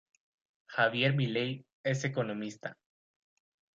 Javier Milei es economista.